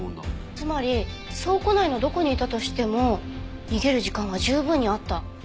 つまり倉庫内のどこにいたとしても逃げる時間は十分にあった。